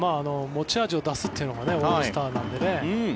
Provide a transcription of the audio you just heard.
持ち味を出すっていうのがオールスターなんでね。